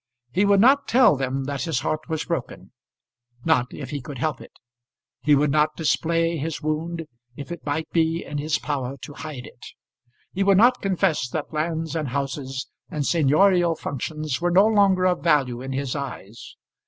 He would not tell them that his heart was broken, not if he could help it. He would not display his wound if it might be in his power to hide it. He would not confess that lands, and houses, and seignorial functions were no longer of value in his eyes.